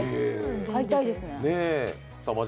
買いたいですね。